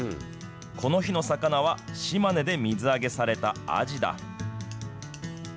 この日の魚は島根で水揚げされたアジだ。